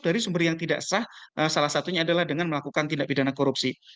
dari sumber yang tidak sah salah satunya adalah dengan melakukan tindak pidana korupsi